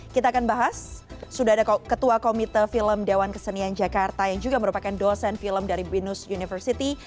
kita akan bahas sudah ada ketua komite film dewan kesenian jakarta yang juga merupakan dosen film dari binus university